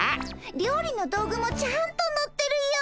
料理の道具もちゃんと乗ってるよ。